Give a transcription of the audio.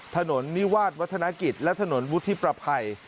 ถนนนิวาสวัฒนกิจและถนนวุฒิประภัย